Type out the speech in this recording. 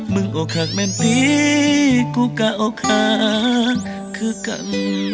มึงโอ้คักเม้นพี่กูก็โอ้คักคือกัน